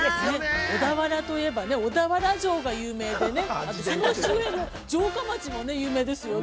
◆小田原といえば、小田原城が有名でね、あとその周辺の城下町も有名ですよね。